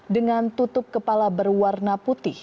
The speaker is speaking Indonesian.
dengan tutup kepala berwarna putih